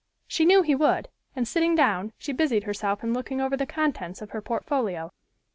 She knew he would, and sitting down, she busied herself in looking over the contents of her portfolio.